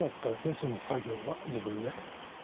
その作業は自分で。